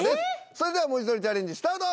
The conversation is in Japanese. それではもじとりチャレンジスタート。